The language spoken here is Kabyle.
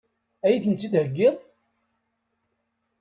Ad iyi-tent-id-theggiḍ?